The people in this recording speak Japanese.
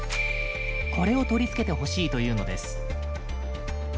「これを取り付けて欲しい」というのです。